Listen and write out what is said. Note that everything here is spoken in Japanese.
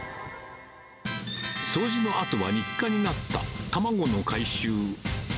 掃除のあとは、日課になった卵の回収。